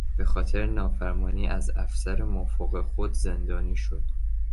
بهخاطر نافرمانی از افسر مافوق خود زندانی شد.